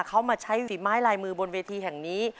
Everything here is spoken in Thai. เขามาใช้ฝีไม้ลายมือบนเวทีแห่งนี้